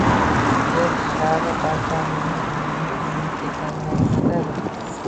Yer shari barchamizning umumiy uyimiz ekanini anglatadi